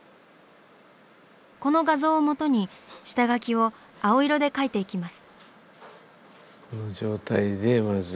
この画像をもとに下描きを青色で描いていきます。